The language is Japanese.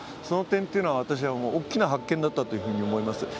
その点は私は大きな発見だったと思います。